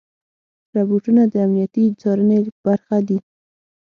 روبوټونه د امنیتي څارنې برخه دي.